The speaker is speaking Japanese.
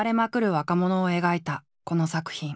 若者を描いたこの作品。